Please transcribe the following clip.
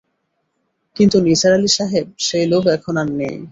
কিন্তু নিসার আলি সাহেব, সেই লোভ এখন আর নেই।